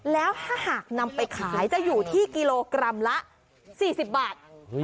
แล้วถ้าหากนำไปขายจะอยู่ที่กิโลกรัมละ๔๐บาท